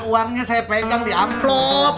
uangnya saya pegang di amplop